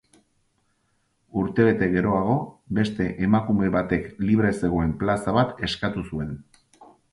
Urtebete geroago, beste emakume batek libre zegoen plaza bat eskatu zuen.